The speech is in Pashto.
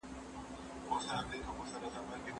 ایا په رښتیا ستاسو په کار کې دومره بیړه ده؟